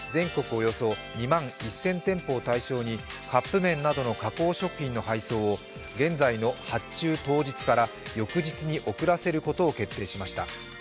およそ２万１０００店舗を対象にカップ麺などの加工食品の配送を現在の発注当日から翌日に遅らせることを決定しました。